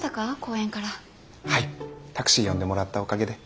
はいタクシー呼んでもらったおかげで。